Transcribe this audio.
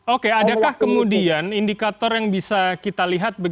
oke adakah kemudian indikator yang bisa kita lihat